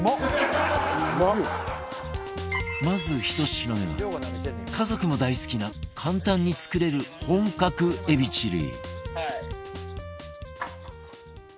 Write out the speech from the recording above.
まず１品目は家族も大好きな簡単に作れる本格エビチリ